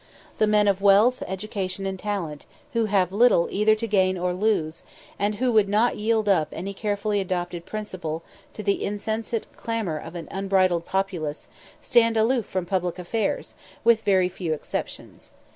The men of wealth, education, and talent, who have little either to gain or lose, and who would not yield up any carefully adopted principle to the insensate clamour of an unbridled populace, stand aloof from public affairs, with very few exceptions.